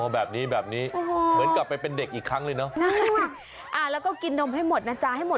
อ๋อแบบนี้เหมือนกลับไปเป็นเด็กอีกครั้งเลยเนาะ